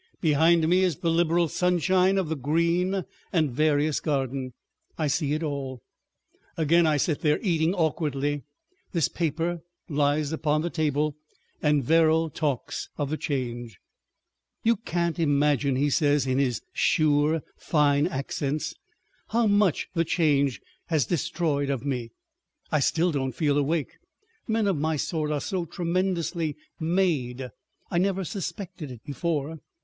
Behind me is the liberal sunshine of the green and various garden. I see it all. Again I sit there, eating awkwardly, this paper lies upon the table and Verrall talks of the Change. "You can't imagine," he says in his sure, fine accents, "how much the Change has destroyed of me. I still don't feel awake. Men of my sort are so tremendously made; I never suspected it before."